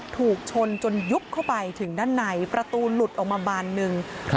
ถูกชนจนยุบเข้าไปถึงด้านในประตูหลุดออกมาบานหนึ่ง